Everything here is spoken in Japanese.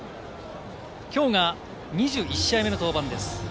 きょうが２１試合目の登板です。